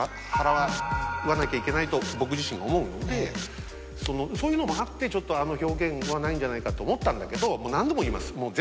と僕自身が思うのでそういうのもあってちょっとあの表現はないんじゃないかと思ったんだけど何度も言います。